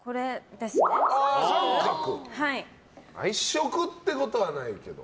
毎食ってことはないけど。